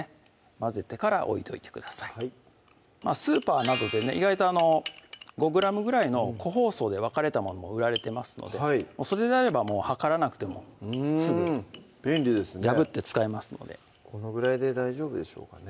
混ぜてから置いといてくださいスーパーなどでね意外と５ｇぐらいの個包装で分かれたものも売られてますのでそれであればもう量らなくてもすぐ破って使えますのでこのぐらいで大丈夫でしょうかね